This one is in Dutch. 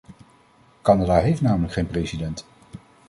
Canada heeft namelijk geen president.